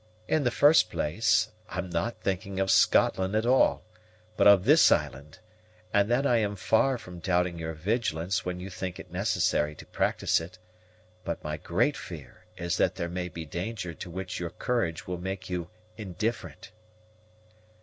In the first place, I'm not thinking of Scotland at all, but of this island; and then I am far from doubting your vigilance when you think it necessary to practise it; but my great fear is that there may be danger to which your courage will make you indifferent."